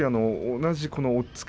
同じ押っつけ